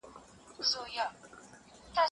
موږ باید د علم په لاره کې ستونزې وزغمو.